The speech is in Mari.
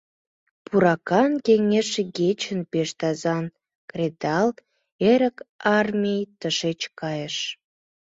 Пуракан кеҥеж игечын, Пеш тазан кредал, Эрык армий тышеч кайыш…